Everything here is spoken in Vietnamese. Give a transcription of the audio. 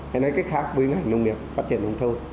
hay nói cách khác với ngành nông nghiệp phát triển nông thôn